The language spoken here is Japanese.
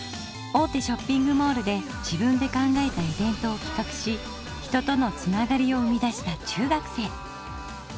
大手ショッピングモールで自分で考えたイベントをきかくし人との繋がりを生み出した中学生。